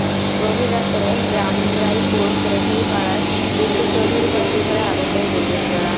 গভীর রাতে রামরায়পুর চৌধুরীপাড়ার বিন্দু চৌধুরীর তিনটি ঘরে আগুন দেয় দুর্বৃত্তরা।